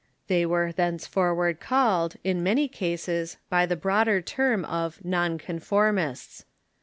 * They were thenceforward called, in many cases, by the broad er term of Non conformists.